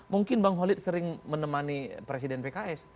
mungkin bang holid sering menemani presiden pks